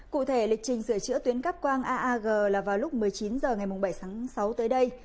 cụ thể lịch trình sửa chữa tuyến cắp quang aag là vào lúc một mươi chín h ngày bảy tháng sáu tới đây